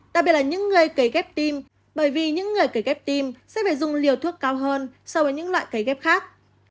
đặc biệt là những người cấy ghép tim bởi vì những người c ghép tim sẽ phải dùng liều thuốc cao hơn so với những loại cấy ghép khác